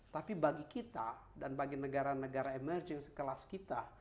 tapi bagi kita dan bagi negara negara emerging kelas kita